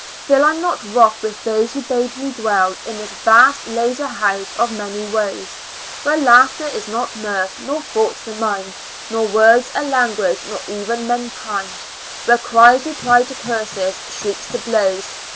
Feel I not wroth with those who bade me dwell In this vast lazar house of many woes .'' Where laughter is not mirth, nor thoughts the mind, Nor words a language, nor even men mankind ; Where cries reply to curses, shrieks to blows.